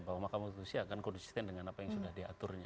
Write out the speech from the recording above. bahwa mahkamah konstitusi akan konsisten dengan apa yang sudah diaturnya